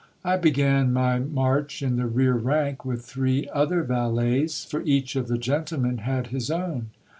I began my march in the rear rank with three other valets ; for each of the gentlemen had his own.